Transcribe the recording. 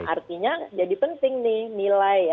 artinya jadi penting nih nilai